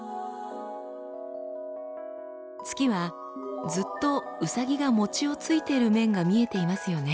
月はずっとうさぎが餅をついている面が見えていますよね。